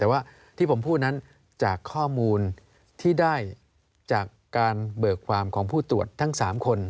แต่ว่าที่ผมพูดนั้นจากข้อมูลที่ได้จากการเบิกความของผู้ตรวจทั้ง๓คน